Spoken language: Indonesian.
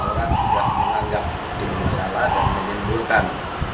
orang sudah menanggapi masalah dan menyembuhkan